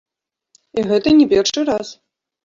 І гэта не першы раз!